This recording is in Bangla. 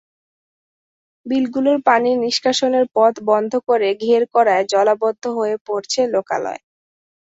বিলগুলোর পানি নিষ্কাশনের পথ বন্ধ করে ঘের করায় জলাবদ্ধ হয়ে পড়েছে লোকালয়।